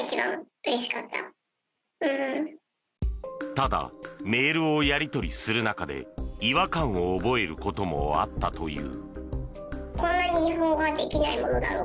ただメールをやり取りする中で違和感を覚えることもあったという。